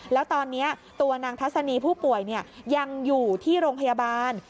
แล้วตอนนี้ตัวนางทัศนีผู้ป่วยยังอยู่ที่โรงพยาบาล